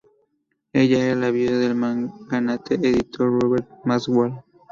Ella era la viuda del magnate editor Robert Maxwell.